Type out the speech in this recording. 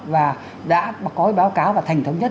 và đã có báo cáo và thành thống nhất